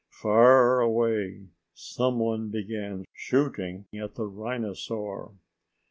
Far away someone began shooting at the rhinosaur.